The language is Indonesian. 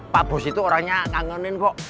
pak bos itu orangnya nganggenin kok